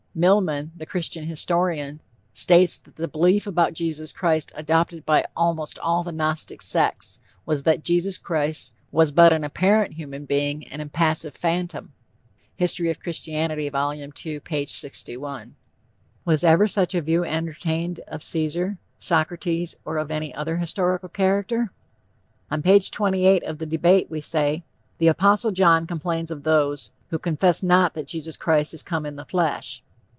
Milman, the Christian historian, states that the belief about Jesus Christ "adopted by almost all the Gnostic sects," was that Jesus Christ was but an apparent human being, an impassive phantom, (History of Christianity. Vol. 2, P. 61). Was ever such a view entertained of Caesar, Socrates or of any other historical character? On page 28 of The Debate we say: "The Apostle John complains of those....who confess not that Jesus Christ is come in the flesh."